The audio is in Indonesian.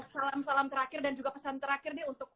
salam salam terakhir dan juga pesan terakhir nih untuk